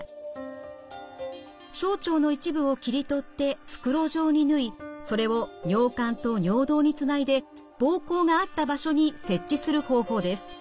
小腸の一部を切り取って袋状に縫いそれを尿管と尿道につないで膀胱があった場所に設置する方法です。